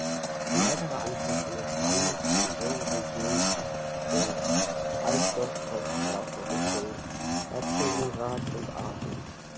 Ein weiterer Anschluss an das Bahnnetz ist der Euregiobahn-Haltepunkt „Alsdorf-Poststraße“ Richtung Herzogenrath und Aachen.